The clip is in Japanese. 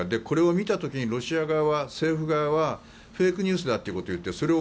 これを見た時にロシア側、政府側はフェイクニュースだということを言っている。